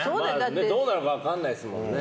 どうなるか分からないですもんね。